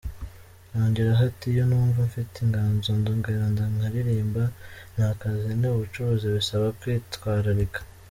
Yongeraho ati “Iyo numva mfite inganzo ndongera nkaririmba, ni akazi, ni ubucuruzi bisaba kwitwararika.